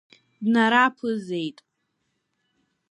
Днараԥызеит.